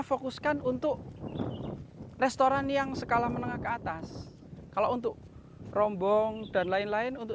fokuskan untuk restoran yang skala menengah ke atas kalau untuk rombong dan lain lain untuk